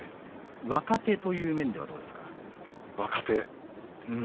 若手という面ではどうですか。